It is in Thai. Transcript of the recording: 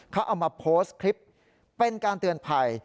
เขาเอามาโพสต์คลิปเป็นการเตือนภัย